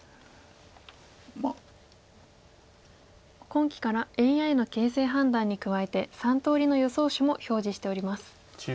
今期からＡＩの形勢判断に加えて３通りの予想手も表示しております。